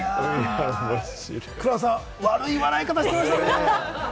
黒田さん、悪い笑い方してましたね。